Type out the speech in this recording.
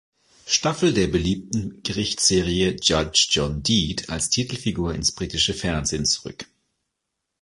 Staffel der beliebten Gerichts-Serie "Judge John Deed" als Titelfigur ins britische Fernsehen zurück.